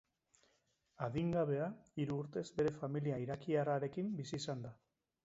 Adingabea hiru urtez bere familia irakiarrarekin bizi izan da.